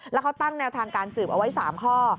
แล้วเขาตั้งแนวทางการสืบเอาไว้๓ข้อ